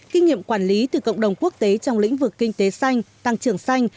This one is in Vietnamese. kinh nghiệm quản lý từ cộng đồng quốc tế trong lĩnh vực kinh tế xanh tăng trưởng xanh